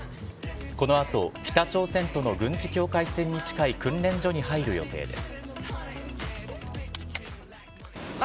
このあと、北朝鮮との軍事境界線に近い訓練所に入る予定です。